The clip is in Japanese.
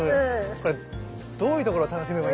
これどういうところを楽しめばいいんですかね？